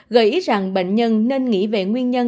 gợi ý rằng bệnh nhân nên nghĩ về nguyên nhân